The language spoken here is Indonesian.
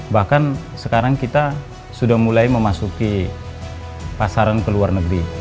bahkan sekarang kita sudah mulai memasuki pasaran ke luar negeri